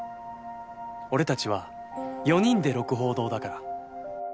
俺たちは４人で鹿楓堂だから。